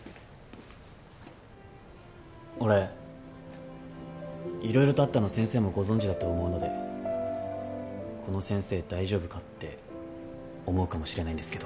俺色々とあったの先生もご存じだと思うのでこの先生大丈夫かって思うかもしれないんですけど。